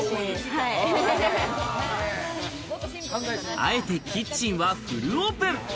あえてキッチンはフルオープン。